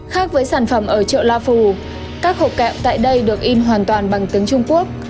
khác với sản phẩm ở chợ la phù các hộp kẹo tại đây được in hoàn toàn bằng tiếng trung quốc